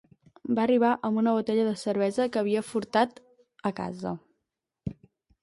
Va arribar amb una botella de cervesa que havia furtat a casa.